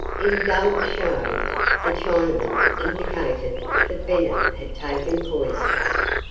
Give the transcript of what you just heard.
In dumb show, the Chinaman indicated that Bennett had taken poison.